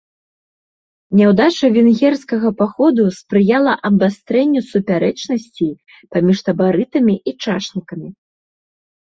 Няўдача венгерскага паходу спрыяла абвастрэнню супярэчнасцей паміж табарытамі і чашнікамі.